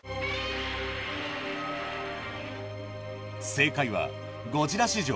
正解は『ゴジラ』史上